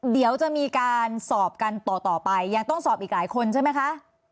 เดี๋ยวจะมีการสอบกันต่อไปยังต้องสอบอีกหลายคนใช่ไหมคะ